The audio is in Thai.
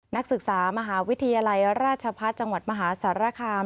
นักศึกษามหาวิทยาลัยราชพัฒน์จังหวัดมหาสารคาม